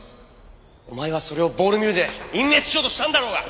お前はそれをボールミルで隠滅しようとしたんだろうが！